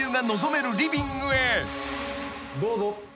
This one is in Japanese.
どうぞ。